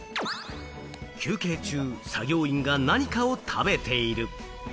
休憩中、作業員が何かを食べている。